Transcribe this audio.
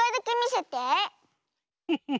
フフフ。